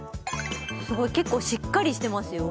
すごい結構しっかりしてますよ